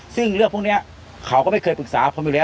ซึ่งเรื่องพวกนี้เขาก็ไม่เคยปรึกษาผมอยู่แล้ว